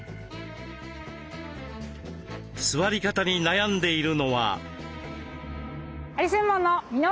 座り方に悩んでいるのは。